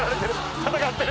戦ってる。